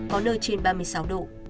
có nơi trên ba mươi sáu độ